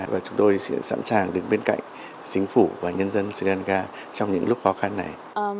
và chúng tôi sẽ sẵn sàng đứng bên cạnh chính phủ và nhân dân sri lanka trong những lúc khó khăn này